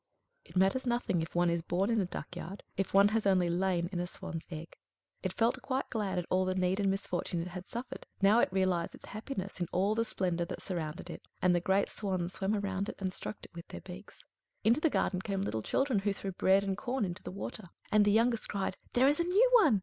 It matters nothing if one is born in a duck yard if one has only lain in a swan's egg. It felt quite glad at all the need and misfortune it had suffered, now it realised its happiness in all the splendour that surrounded it. And the great swans swam round it, and stroked it with their beaks. Into the garden came little children, who threw bread and corn into the water; and the youngest cried, "There is a new one!"